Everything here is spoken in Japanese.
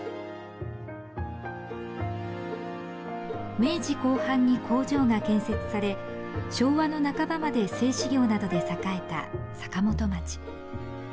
明治後半に工場が建設され昭和の半ばまで製紙業などで栄えた坂本町。